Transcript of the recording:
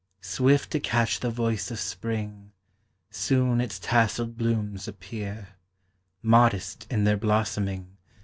Swift to catch the voice of spring, Soon its tasselled blooms appear; Modest in their blossoming.